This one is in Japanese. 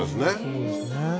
そうですね